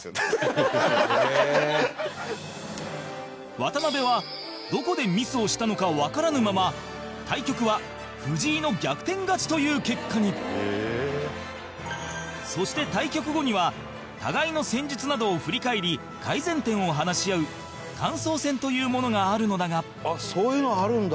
渡辺は、どこでミスをしたのかわからぬまま対局は藤井の逆転勝ちという結果にそして、対局後には互いの戦術などを振り返り改善点を話し合う感想戦というものがあるのだが伊達：そういうの、あるんだ。